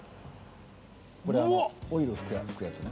これオイル拭くやつね。